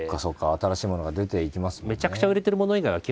新しいものが出ていきますもんね。